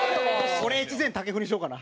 俺越前たけふにしようかな。